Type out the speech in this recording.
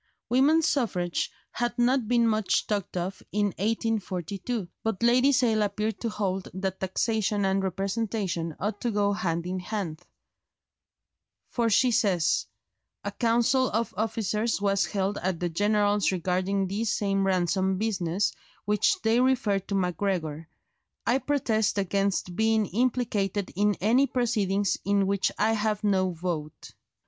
Women's suffrage had not been much talked of in 1842, but Lady Sale appeared to hold that taxation and representation ought to go hand in hand; for she says, "A council of officers was held at the General's regarding this same ransom business, which they refer to Macgregor. I protest against being implicated in any proceedings in which I have no vote."